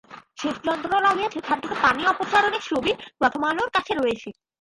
সেচযন্ত্র লাগিয়ে সেখান থেকে পানি অপসারণের ছবি প্রথম আলোর কাছে রয়েছে।